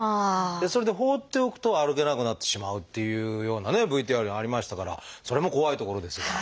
それで放っておくと歩けなくなってしまうっていうようなねＶＴＲにありましたからそれも怖いところですが。